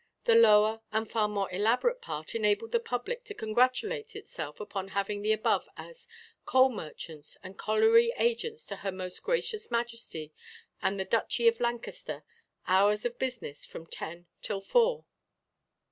the lower and far more elaborate part enabled the public to congratulate itself upon having the above as "Coal Merchants and Colliery Agents to Her Most Gracious Majesty and the Duchy of Lancaster. Hours of Business, from Ten till Four."